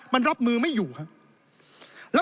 มันรับมือไม่อยู่ครับ